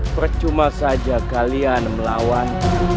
percuma saja kalian melawan